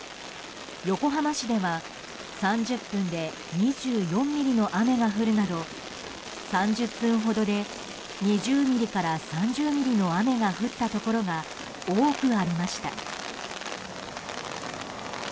横浜市では３０分で２４ミリの雨が降るなど３０分ほどで２０ミリから３０ミリの雨が降ったところが多くありました。